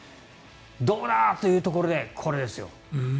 どうだ！というところでこれですよ。